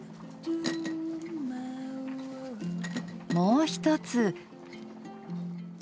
もう一つ。